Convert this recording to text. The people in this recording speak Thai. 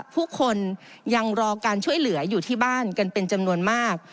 ผู้คนยังรอการช่วยเหลืออยู่ที่บ้านกันเป็นจำนวนมาก